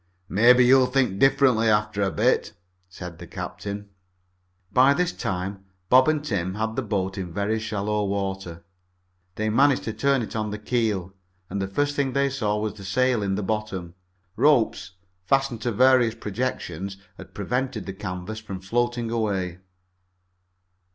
"Maybe you'll think differently after a bit," said the captain. By this time Bob and Tim had the boat in very shallow water. They managed to turn it on the keel, and the first thing they saw was the sail in the bottom. Ropes, fastened to various projections, had prevented the canvas from floating away.